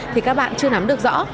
thì các bạn chưa nắm được rõ